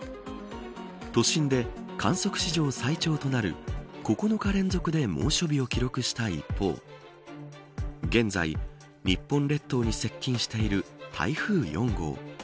都心で観測史上最長となる９日連続で猛暑日を記録した一方現在、日本列島に接近している台風４号。